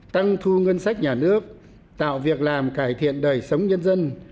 tăng thu ngân sách nhà nước tạo việc làm cải thiện đời sống nhân dân